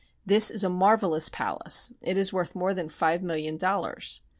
This is a marvelous palace; it is worth more than five million dollars.